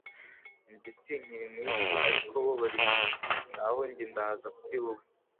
Njye sinkiri mu isi, ariko bo bari mu isi, naho njye ndaza kuri wowe.